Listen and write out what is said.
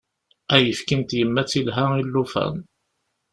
Ayefki n tyemmat ilha i llufan.